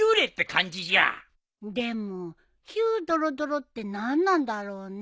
でもヒュードロドロって何なんだろうね？